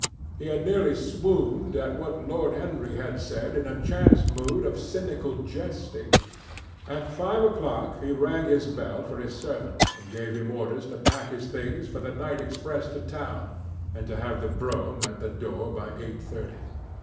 He had nearly swooned at what Lord Henry had said in a chance mood of cynical jesting. At five o'clock he rang his bell for his servant and gave him orders to pack his things for the night express to town, and to have the brougham at the door by eight thirty.